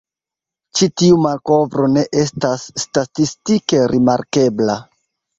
Ĉi tiu malkovro ne estas statistike rimarkebla.